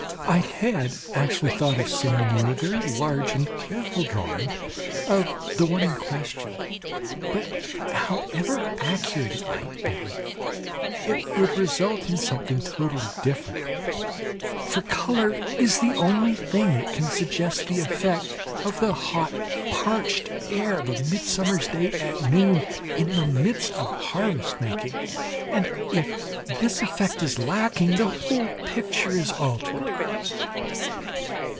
I had actually thought of sending you a very large and careful drawing of the one in question. But, however accurate it might be, it would result in something totally different; for colour is the only thing that can suggest the effect of the hot parched air of a midsummer's day at noon, in the midst of harvest making; and if this effect is lacking, the whole picture is altered.